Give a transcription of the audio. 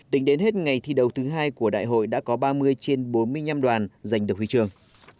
tính đến hết ngày thi đấu thứ hai của đại hội đã có ba mươi trên bốn mươi năm đoàn giành được huy trường